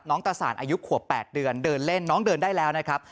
ตะสานอายุขวบ๘เดือนเดินเล่นน้องเดินได้แล้วนะครับ